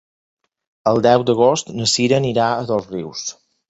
El deu d'agost na Sira anirà a Dosrius.